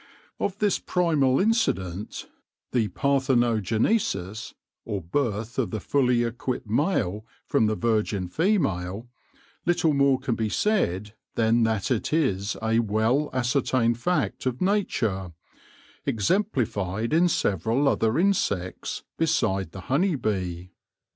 Of this primal incident, the parthenogenesis, or birth of the fully equipped male from the virgin female, little more can be said than that it is a well ascertained fact of nature, exemplified in several other insects beside the honey bee.